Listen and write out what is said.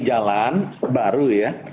jalan baru ya